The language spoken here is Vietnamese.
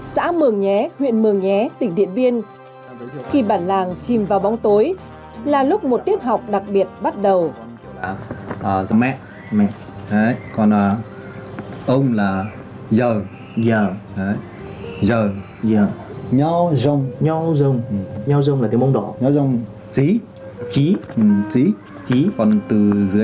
xã mường nhé huyện mường nhé tỉnh điện biên khi bản làng chìm vào bóng tối là lúc một tiết học đặc biệt bắt đầu